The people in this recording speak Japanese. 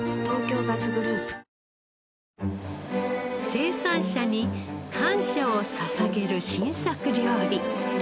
生産者に感謝を捧げる新作料理。